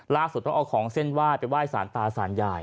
ล่าสุดต้องเอาของเส้นว่าไปว่ายสารตาสารยาย